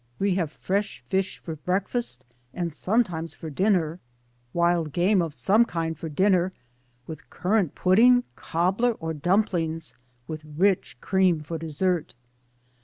We have fresh fish for breakfast and some times for dinner. Wild game of some kind for dinner, with currant pudding, cobbler, or dumplings, with rich cream for dessert.